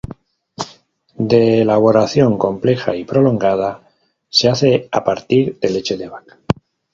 De elaboración compleja y prolongada, se hace a partir de leche de vaca.